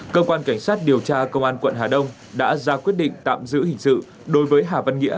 cơ quan cảnh sát điều tra công an quận hà đông đã ra quyết định tạm giữ hình sự đối với hà văn nghĩa